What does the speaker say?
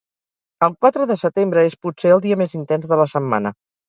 El quatre de setembre és, potser, el dia més intens de la setmana.